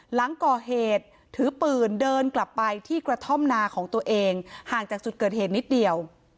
หลังก่อเหตุถือปืนเดินกลับไปที่กระท่อมนาของตัวเองห่างจากจุดเกิดเหตุนิดเดียว